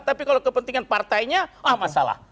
tapi kalau kepentingan partainya ah masalah